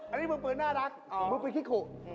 อันนี้มือปืนน่ารักมือปืนคิขุ